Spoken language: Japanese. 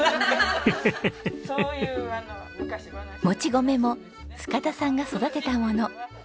もち米も塚田さんが育てたもの。